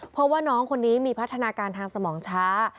เพราะว่าน้องคนนี้มีพัฒนาการทางสมองช้า